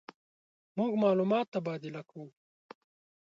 مونږ معلومات تبادله کوو.